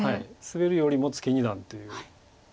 スベるよりもツケ二段という。